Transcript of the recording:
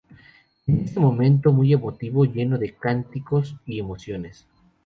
Es un momento muy emotivo lleno de cánticos y emociones.